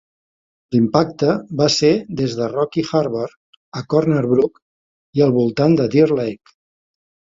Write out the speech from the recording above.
L'impacte va ser des de Rocky Harbour a Corner Brook i al voltant de Deer Lake.